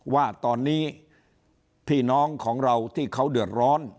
ว่าตอนนี้พี่น้องของเราที่เขาเดือดร้อน